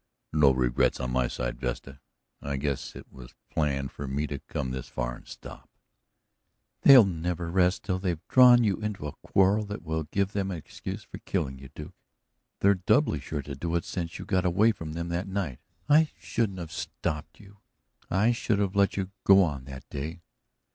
"There's no regrets on my side, Vesta. I guess it was planned for me to come this far and stop." "They'll never rest till they've drawn you into a quarrel that will give them an excuse for killing you, Duke. They're doubly sure to do it since you got away from them that night. I shouldn't have stopped you; I should have let you go on that day."